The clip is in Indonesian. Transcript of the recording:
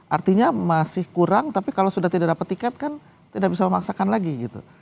artinya masih kurang tapi kalau sudah tidak dapat tiket kan tidak bisa memaksakan lagi gitu